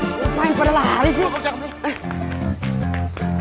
ini pak yang pada lari sih